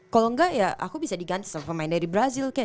kalau enggak ya aku bisa diganti sama pemain dari brazil kayak